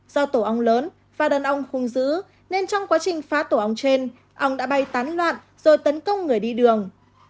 do tổ ong lớn và đàn ong không giữ nên trong quá trình phá tổ ong trên ong đã bay tán loạn rồi tấn công người đi đường